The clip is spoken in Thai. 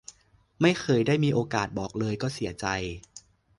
ไม่เคยได้มีโอกาสบอกเลย ก็เสียใจ